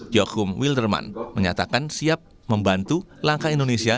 jochum wildermann menyatakan siap membantu langkah indonesia